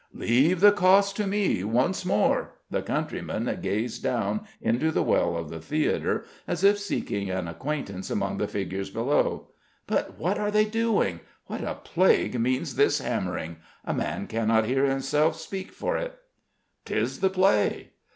"Leave the cost to me, once more!" The countryman gazed down into the well of the theatre as if seeking an acquaintance among the figures below. "But what are they doing? What a plague means this hammering? A man cannot hear himself speak for it." "'Tis the play."